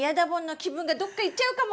気分がどっかいっちゃうかも！